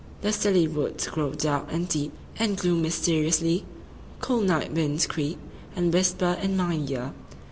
The stilly woods8Grow dark and deep, and gloom mysteriously.9Cool night winds creep, and whisper in mine ear.